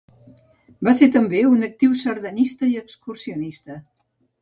Va ser també un actiu sardanista i excursionista.